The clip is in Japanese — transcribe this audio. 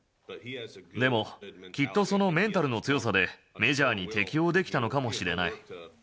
でもきっとそのメンタルの強さで、メジャーに適応できたのかもしれない。